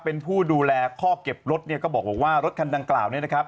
เป็นผู้ดูแลข้อเก็บรถเนี่ยก็บอกว่ารถคันดังกล่าวเนี่ยนะครับ